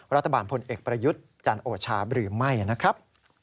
รัฐบาลพลเอกประยุทธ์จันทร์โอชาหรือไม่นะครับ